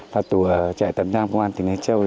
và tù chạy tận nam công an tỉnh lai châu